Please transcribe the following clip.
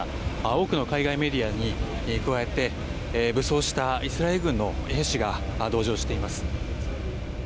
多くの海外メディアに加えて武装したイスラエル軍の兵士が同乗しています。